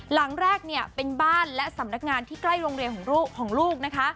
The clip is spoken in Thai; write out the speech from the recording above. หลังแรกเนี่ยเป็นบ้านและสำนักงานที่ใกล้โรงเรียนของลูกนะคะ